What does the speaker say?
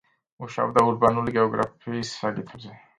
მუშაობდა ურბანული გეოგრაფიის საკითხებზე.